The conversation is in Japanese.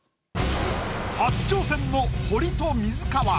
初挑戦の堀と水川。